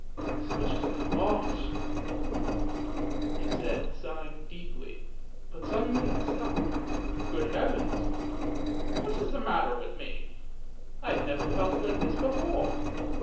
Such is my lot! " he said, sigh ing deeply; but suddenly he stopped. " Good Heavens ! what is the matter with me? I have never felt like this before!